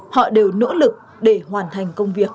họ đều nỗ lực để hoàn thành